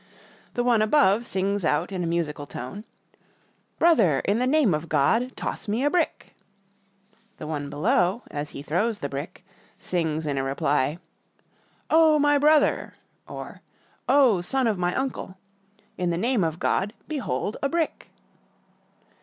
The one above sings out in musical tone, "Brother, in the name of God, toss me a brick!" The one below, as he throws the brick, sings in reply, "Oh, my brother! (or, ' Oh, son of my uncle!') in the name of God, behold a brick!"